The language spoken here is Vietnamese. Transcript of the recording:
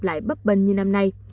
lại bấp bình như năm nay